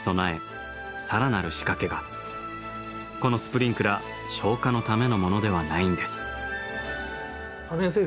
このスプリンクラー消火のためのものではないんです。